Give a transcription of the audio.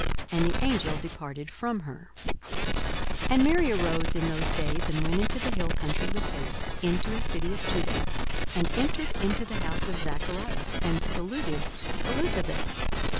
And the angel departed from her. 42:001:039 And Mary arose in those days, and went into the hill country with haste, into a city of Juda; 42:001:040 And entered into the house of Zacharias, and saluted Elisabeth.